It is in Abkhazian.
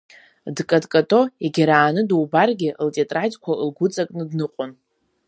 Дкаткато, егьарааны дубаргьы, лтетрадқәа лгәыҵакны дныҟәон.